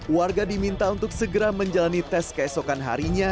warga diminta untuk segera menjalani tes keesokan harinya